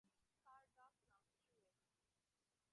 তার ডাক নাম জুয়েল।